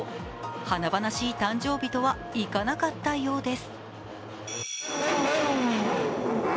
華々しい誕生日とはいかなかったようです。